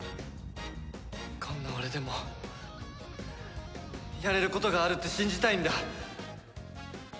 こんな俺でもやれることがあるって信じたいんだ！